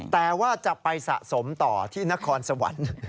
แต่ว่าจะไปสะสมต่อที่นครสวรรค์